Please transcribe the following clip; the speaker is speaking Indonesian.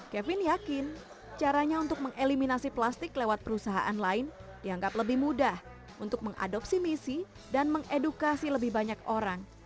kevin yakin caranya untuk mengeliminasi plastik lewat perusahaan lain dianggap lebih mudah untuk mengadopsi misi dan mengedukasi lebih banyak orang